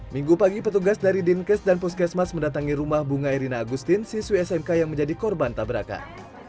minggu pagi petugas dari dinkes dan puskesmas mendatangi rumah bunga erina agustin siswi smk yang menjadi korban tabrakan